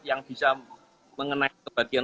yang bisa mengenai kebatian